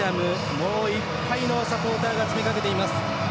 もういっぱいのサポーターが詰めかけています。